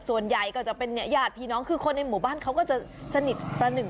ส่วนใหญ่ก็จะเป็นญาติพี่น้องคือคนในหมู่บ้านเขาก็จะสนิทประหนึ่ง